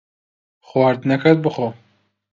خواردنەکەت بخۆ.